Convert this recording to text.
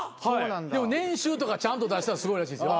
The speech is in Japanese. でも年収とかちゃんと出したらすごいらしいですよ。